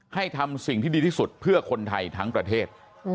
ทำสิ่งที่ดีที่สุดเพื่อคนไทยทั้งประเทศ